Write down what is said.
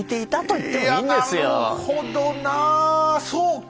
いやなるほどなあそうか。